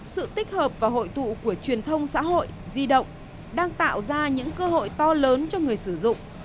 sự tích hợp và hội tụ của truyền thông xã hội di động đang tạo ra những cơ hội to lớn cho người sử dụng